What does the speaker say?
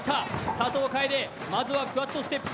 佐藤楓、まずはクワッドステップス。